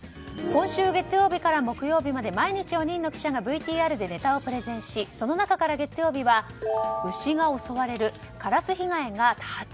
今週月曜日から木曜日まで毎日４人の記者がＶＴＲでネタをプレゼンしその中から月曜日は牛が襲われるカラス被害が多発。